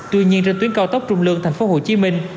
tuy nhiên trên tuyến cao tốc trung lương thành phố hồ chí minh